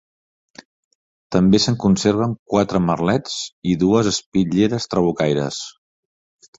També se'n conserven quatre merlets i dues espitlleres trabucaires.